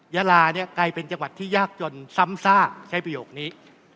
ยาลาเนี่ยกลายเป็นจังหวัดที่ยากจนซ้ำซากใช้ประโยคนี้